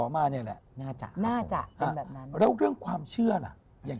มาเนี่ยแหละน่าจะน่าจะเป็นแบบนั้นแล้วเรื่องความเชื่อล่ะอย่าง